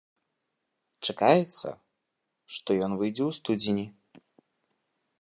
Чакаецца, што ён выйдзе ў студзені.